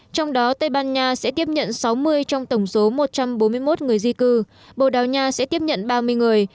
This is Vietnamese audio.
trong đó tây ban nha sẽ tiếp nhận sáu mươi trong tổng số một trăm bốn mươi một người di cư bồ đào nha sẽ tiếp nhận ba mươi người